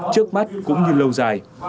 trước mắt cũng như lâu dài